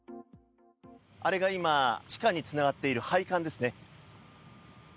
あれが今、地下につながっている配管ですね。